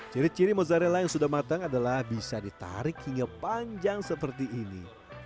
ciri ciri mozzarella yang sudah matang adalah bisa ditarik hingga panjang seperti ini